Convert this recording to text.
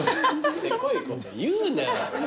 せこいこと言うなよ。